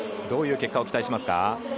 どういう結果を期待しますか？